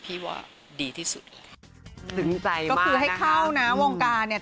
พี่ว่าดีที่สุดเลยดึงใจมากนะคะก็คือให้เข้านะวงการเนี่ย